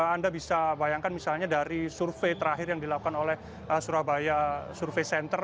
anda bisa bayangkan misalnya dari survei terakhir yang dilakukan oleh surabaya survei center